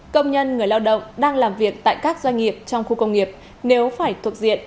công nhân người lao động đang làm việc tại các doanh nghiệp trong khu công nghiệp nếu phải thuộc diện